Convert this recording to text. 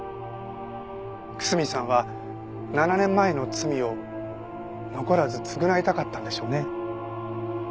楠見さんは７年前の罪を残らず償いたかったんでしょうね。